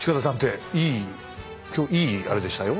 今日いいあれでしたよ。